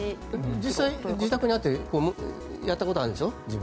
実際、自宅にあってやったことがあるんでしょ？